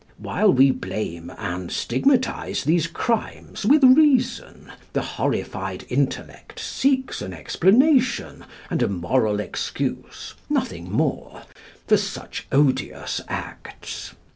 "While we blame and stigmatise these crimes with reason, the horrified intellect seeks an explanation and a moral excuse (nothing more) for such odious acts.